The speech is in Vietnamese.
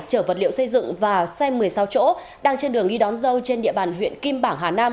chở vật liệu xây dựng và xe một mươi sáu chỗ đang trên đường đi đón dâu trên địa bàn huyện kim bảng hà nam